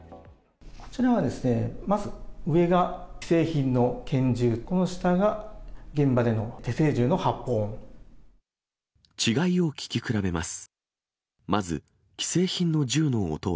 こちらはですね、まず、上が既製品の拳銃、この下が現場での手製銃の発砲音。